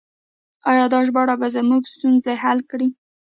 آیا دا ژباړه به زموږ ستونزې حل کړي؟